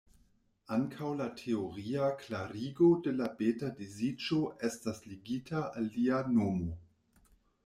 Ankaŭ la teoria klarigo de la beta-disiĝo estas ligita al lia nomo.